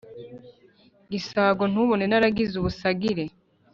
gisago ntubone naragize ubusagire,